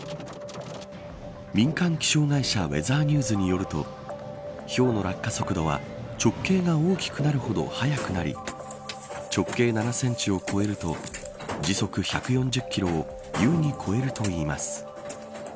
民間気象会社ウェザーニューズによるとひょうの落下速度は直径が大きくなるほど速くなり直径７センチを超えると時速１４０キロをゆうに超えるといいます。